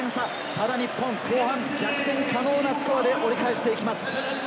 ただ逆転可能なスコアで折り返していきます。